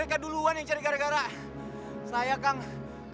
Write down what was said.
kebutuhan kar government